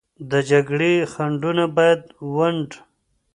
د جګړې خنډونه باید ونډ